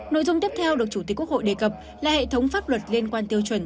nội dung tiếp theo được chủ tịch quốc hội đề cập là hệ thống pháp luật liên quan tiêu chuẩn